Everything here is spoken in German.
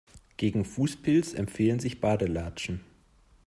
Gegen Fußpilz empfehlen sich Badelatschen.